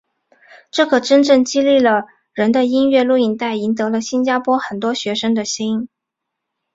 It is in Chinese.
这个真正激励人的音乐录影带赢得了新加坡很多学生的心。